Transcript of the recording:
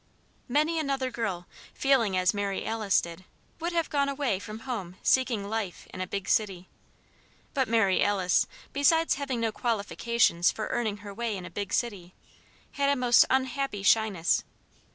Many another girl, feeling as Mary Alice did, would have gone away from home seeking "life" in a big city. But Mary Alice, besides having no qualifications for earning her way in a big city, had a most unhappy shyness.